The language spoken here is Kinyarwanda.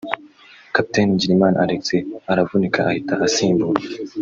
kapiteni Ngilimana Alex aravunika ahita asimburwa